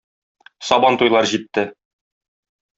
Сабантуйлар җитте.